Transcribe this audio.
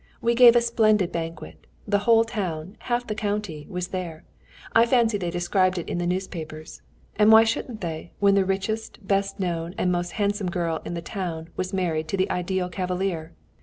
We gave a splendid banquet. The whole town, half the county was there. I fancy they described it in the newspapers; and why shouldn't they, when the richest, best known, and most handsome girl in the town was married to the ideal cavalier?